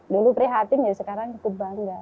dulu prihatin sekarang ikut bangga